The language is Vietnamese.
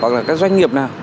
hoặc là các doanh nghiệp nào